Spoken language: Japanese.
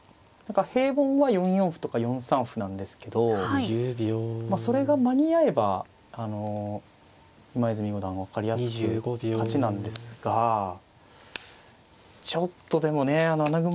平凡は４四歩とか４三歩なんですけどそれが間に合えばあの今泉五段分かりやすく勝ちなんですがちょっとでもねあの穴熊。